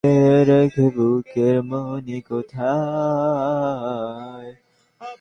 ফোনটা দিন আমাকে।